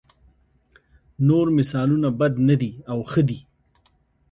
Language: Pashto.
نور مثالونه بد نه دي او ښه دي.